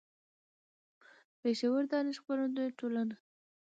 . پېښور: دانش خپرندويه ټولنه